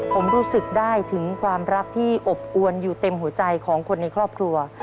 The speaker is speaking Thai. ผมรู้สึกได้ถึงความรักที่อบอวนอยู่เต็มหัวใจของคนในครอบครัว